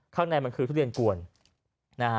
ข้างในมันคือทุเรียนกวนนะฮะ